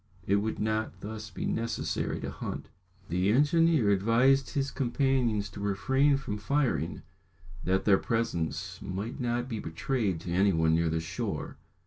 It would not thus be necessary to hunt. The engineer advised his companions to refrain from firing, that their presence might not be betrayed to any one near the shore.